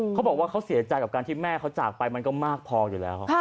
เขาบอกว่าเขาเสียใจกับการที่แม่เขาจากไปมันก็มากพออยู่แล้ว